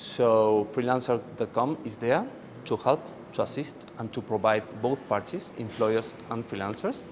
jadi freelancer com ada untuk membantu dan memberikan kepada partai pekerja dan freelancers